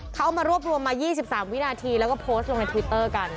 เขามารวบรวมมา๒๓วินาทีแล้วก็โพสต์ลงในทวิตเตอร์กัน